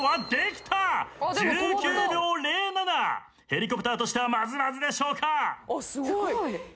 ヘリコプターとしてはまずまずでしょうか。